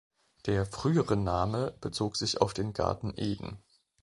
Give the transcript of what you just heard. Der frühere Name bezog sich auf den Garten Eden.